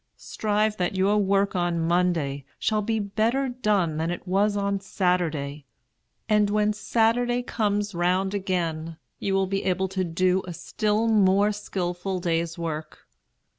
Strive that your work on Monday shall be better done than it was on Saturday; and when Saturday comes round again, you will be able to do a still more skilful day's work.